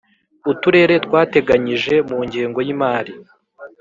Uturere twateganyije mu ngengo y imari